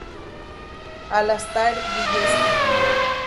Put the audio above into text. Alastair Gillespie.